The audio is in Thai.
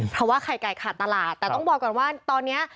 เพราะว่าไข่ไก่ขาดตลาดแต่ต้องบอกก่อนว่าตอนนี้